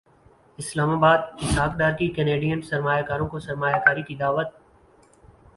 اسلام اباد اسحاق ڈار کی کینیڈین سرمایہ کاروں کو سرمایہ کاری کی دعوت